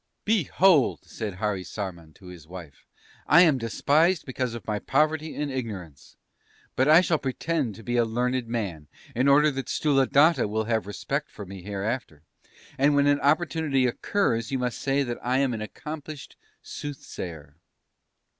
"'Behold!' said Harisarman to his wife: 'I am despised because of my poverty and ignorance. But I shall pretend to be a learned man, in order that Sthuladatta will have respect for me hereafter; and when an opportunity occurs you must say that I am an accomplished Soothsayer.'